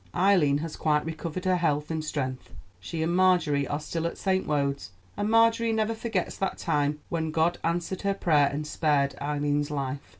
Eileen has quite recovered her health and strength. She and Marjorie are still at St. Wode's, and Marjorie never forgets that time when God answered her prayer and spared Eileen's life.